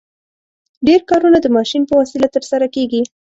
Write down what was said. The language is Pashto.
ډېر کارونه د ماشین په وسیله ترسره کیږي.